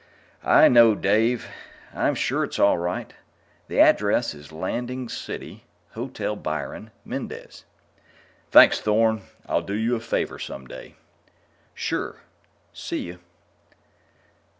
"I know, Dave. I'm sure it's all right. The address is Landing City, Hotel Byron, Mendez." "Thanks, Thorn; I'll do you a favor some day." "Sure. See you."